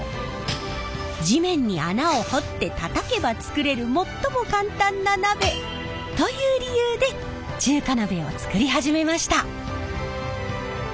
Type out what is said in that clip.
地面に穴を掘ってたたけば作れる最も簡単な鍋。という理由で中華鍋を作り始めました。